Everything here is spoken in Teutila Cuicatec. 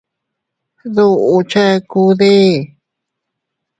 ¿Duʼu chekude?